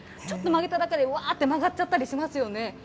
ちょっと曲げただけでわーって曲がっちゃったりしますよね。